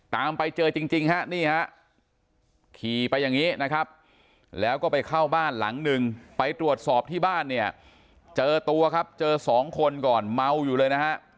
ตามไปเจอจริงฮะนี่ฮะขี่ไปอย่างนี้นะครับแล้วก็ไปเข้าบ้านหลังหนึ่งไปตรวจสอบที่บ้านเนี่ยเจอตัวครับเจอสองคนก่อนเมาอยู่เลยนะฮะ